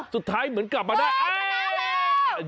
สุดท้ายเหมือนกลับมาได้อ้าว